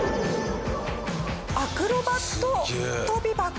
アクロバット跳び箱。